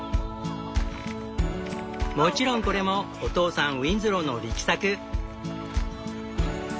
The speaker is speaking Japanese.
もちろんこれもお父さんウィンズローの力作。